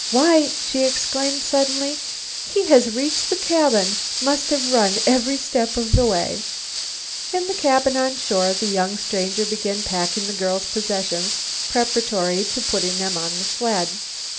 "Why," she exclaimed suddenly, "he has reached the cabin! Must have run every step of the way!" In the cabin on shore, the young stranger began packing the girl's possessions preparatory to putting them on the sled.